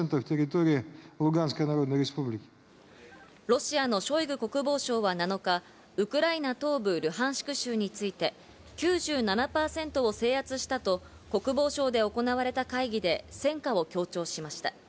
ロシアのショイグ国防相は７日、ウクライナ東部ルハンシク州について９７％を制圧したと国防省で行われた会議で戦果を強調しました。